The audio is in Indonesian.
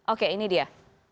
oke ini dia